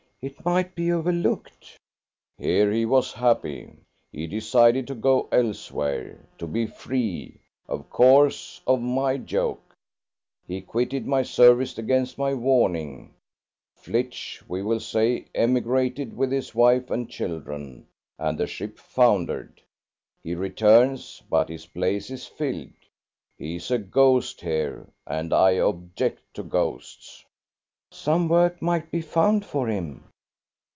"It might be overlooked." "Here he was happy. He decided to go elsewhere, to be free of course, of my yoke. He quitted my service against my warning. Flitch, we will say, emigrated with his wife and children, and the ship foundered. He returns, but his place is filled; he is a ghost here, and I object to ghosts." "Some work might be found for him."